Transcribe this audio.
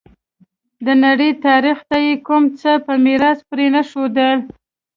د نړۍ تاریخ ته یې کوم څه په میراث پرې نه ښودل.